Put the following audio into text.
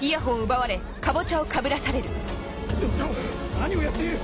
何をやっている！